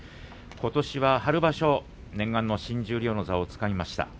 ことしは春場所、念願の新十両の座をつかみました。